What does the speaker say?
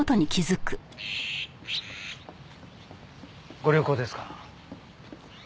ご旅行ですか？